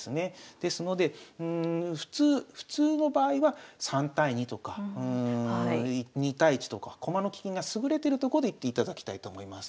ですので普通の場合は３対２とか２対１とか駒の利きが優れてるとこでいっていただきたいと思います。